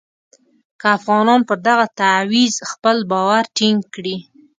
که افغانان پر دغه تعویض خپل باور ټینګ کړي.